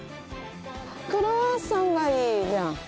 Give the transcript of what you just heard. クロワッサンがいいじゃん。